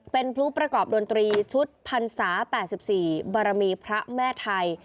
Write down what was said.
เป็นพลุประกอบดนตรีชุดพรรษา๘๔บารมีพระแม่ไทย